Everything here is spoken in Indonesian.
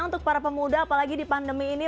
untuk para pemuda apalagi di pandemi ini